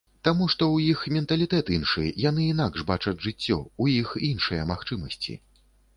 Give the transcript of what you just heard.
Таму што ў іх менталітэт іншы, яны інакш бачаць жыццё, у іх іншыя магчымасці.